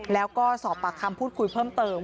แล้วก็สอบปากคำพูดคุยเพิ่มเติม